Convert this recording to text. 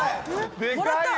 でかい！